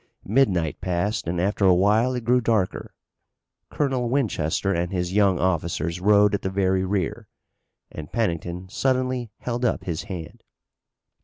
Midnight passed and after a while it grew darker. Colonel Winchester and his young officers rode at the very rear, and Pennington suddenly held up his hand.